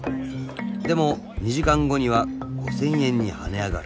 ［でも２時間後には５，０００円に跳ね上がる］